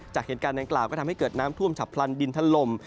จากเหตุการณ์ดังกล่าวก็ทำให้เกิดน้ำท่วมฉับพลันดินทะลม